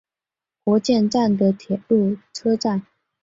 国见站的铁路车站。